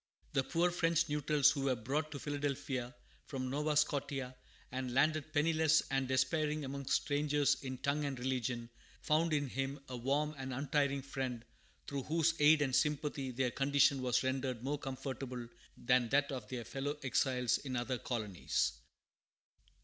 The poor French neutrals who were brought to Philadelphia from Nova Scotia, and landed penniless and despairing among strangers in tongue and religion, found in him a warm and untiring friend, through whose aid and sympathy their condition was rendered more comfortable than that of their fellow exiles in other colonies.